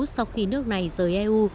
sau khi nước này rời eu